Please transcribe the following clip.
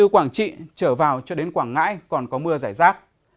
quảng trị trở vào cho đến quảng ngãi còn có mưa giải rác